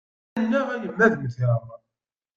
Annaɣ a yemma ad mmteɣ.